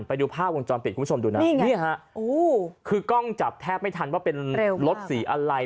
ไปดูภาพวงจรปิดคุณผู้ชมดูนะนี่ฮะคือกล้องจับแทบไม่ทันว่าเป็นรถสีอะไร